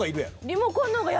リモコンの方が。